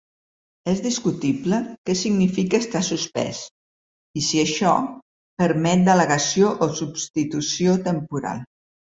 És discutible què significa estar suspès, i si això permet delegació o substitució temporal.